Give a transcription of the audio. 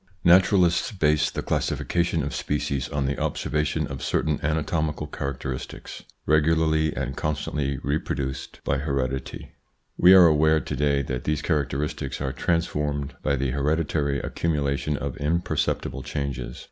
TV T ATURALISTS base the classification of species *^ on the observation of certain anatomical characteristics regularly and constantly reproduced : TtfEj.PSYCHOLOGY OF PEOPLES: by heredity. We are aware to day that these charac teristics are transformed by the hereditary accumula tion of imperceptible changes.